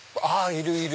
いるいる！